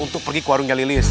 untuk pergi ke warungnya lilis